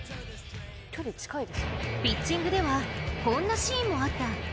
ピッチングでは、こんなシーンもあった。